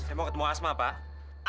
saya mau ketemu asma pak